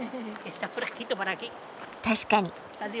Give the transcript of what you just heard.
確かに。